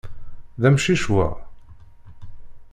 D amcic wa?